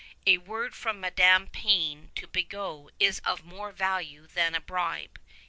A word from Madame Péan to Bigot is of more value than a bribe.